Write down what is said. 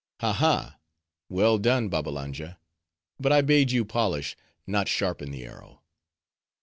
"Ha, ha!—well done, Babbalanja; but I bade you polish, not sharpen the arrow."